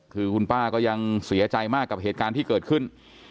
คือคุณป้าก็ยังเสียใจมากกับเหตุการณ์ที่เกิดขึ้น